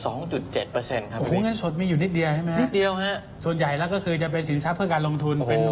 โอ้โหเงินสดมีอยู่นิดเดียวใช่ไหมนิดเดียวฮะส่วนใหญ่แล้วก็คือจะเป็นสินทรัพย์เพื่อการลงทุน